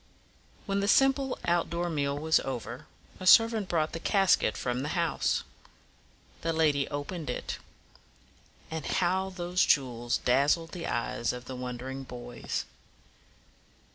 When the simple out door meal was over, a servant brought the casket from the house. The lady opened it. Ah, how those jewels dazzled the eyes of the wondering boys!